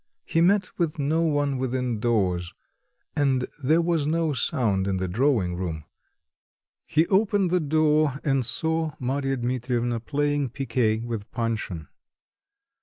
He met with no one within doors, and there was no sound in the drawing room; he opened the door and saw Marya Dmitrievna playing picquet with Panshin.